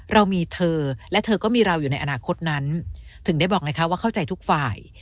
เรามีเธอและเธอก็มีเราอยู่ในอนาคตนั้นถึงได้บอกไงคะว่าเข้าใจทุกฝ่าย